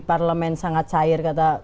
parlemen sangat cair kata